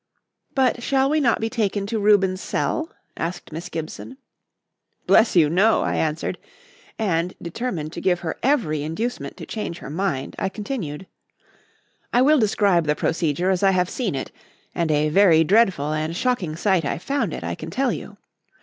"But shall we not be taken to Reuben's cell?" asked Miss Gibson. "Bless you! no," I answered; and, determined to give her every inducement to change her mind, I continued: "I will describe the procedure as I have seen it and a very dreadful and shocking sight I found it, I can tell you.